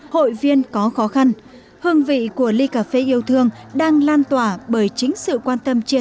hội viên có khó khăn hương vị của ly cà phê yêu thương đang lan tỏa bởi chính sự quan tâm chia